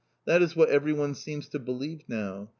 That is what everyone seems to believe now.